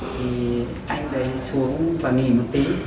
thì anh ấy xuống và nghỉ một tí